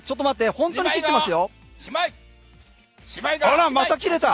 本当に切っています。